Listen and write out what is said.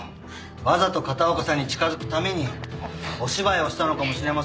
わざと片岡さんに近づくためにお芝居をしたのかもしれませんよ。